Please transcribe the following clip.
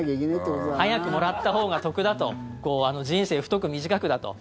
これ、もし早くもらったほうが得だと人生、太く短くだと。